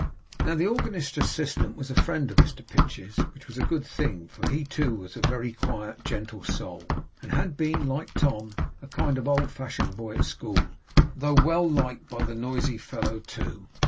Now, the organist's assistant was a friend of Mr Pinch's, which was a good thing, for he too was a very quiet gentle soul, and had been, like Tom, a kind of old fashioned boy at school, though well liked by the noisy fellow too.